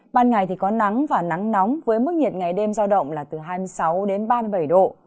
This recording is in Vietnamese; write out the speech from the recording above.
ban ngày thì có nắng và nắng nóng với mức nhiệt ngày đêm giao động là từ hai mươi sáu đến ba mươi bảy độ